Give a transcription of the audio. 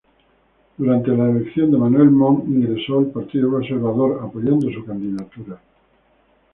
Durante la elección de Manuel Montt ingresó al Partido Conservador apoyando su candidatura.